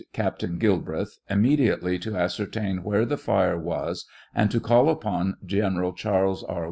Captain Gilbreth, immediately to ascer tain where the fire was and to call upon General Charles K.